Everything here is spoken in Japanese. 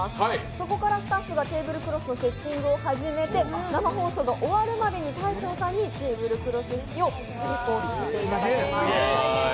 そこからスタッフがテーブルクロスのセッティングを始めて生放送が終わるまでに大昇さんにテーブルクロス引きを成功していただきたいと思います。